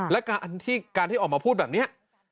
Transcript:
และการที่ออกมาพูดแบบนี้